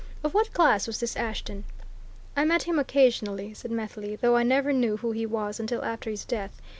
Of what class was this Ashton?" "I met him, occasionally," said Methley, "though I never knew who he was until after his death.